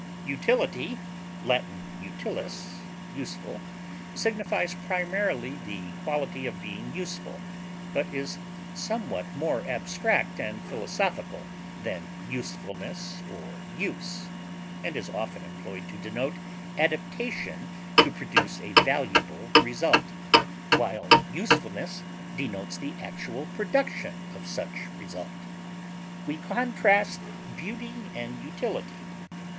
Utility (L. utilis, useful) signifies primarily the quality of being useful, but is somewhat more abstract and philosophical than usefulness or use, and is often employed to denote adaptation to produce a valuable result, while usefulness denotes the actual production of such result. We contrast beauty and utility.